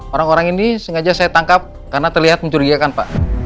orang orang ini sengaja saya tangkap karena terlihat mencurigakan pak